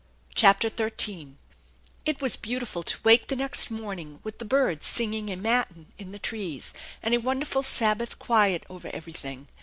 CHAPTER XIII IT was beautiful to wake the next morning with the birds singing a matin in the trees, and a wonderful Sabbath quiet over everything.